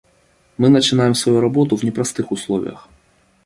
Мы начинаем свою работу в непростых условиях.